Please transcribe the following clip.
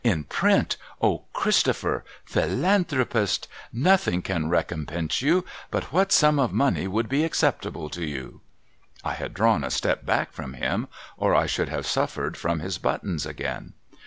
' In print !! O Christopher ! Philanthropist ! Nothing can recompense you,— but what sum of money would be acceptable to you ?' I had drawn a step back from him, or I should have suffered from his buttons again.